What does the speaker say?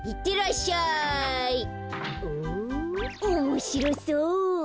おもしろそう！